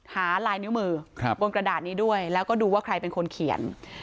ลายนิ้วมือบนกระดาษนี้ด้วยแล้วก็ดูว่าใครเป็นคนเขียน